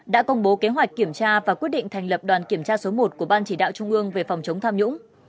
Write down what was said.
đã công bố kế hoạch kiểm tra và quyết định thành lập đoàn kiểm tra số một của ban chỉ đạo trung ương về phòng chống tham nhũng